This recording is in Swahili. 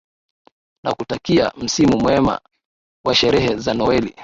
na kutakia msimu mwema wa sherehe za noweli